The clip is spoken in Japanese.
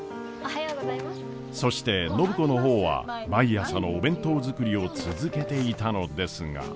そして暢子の方は毎朝のお弁当作りを続けていたのですが。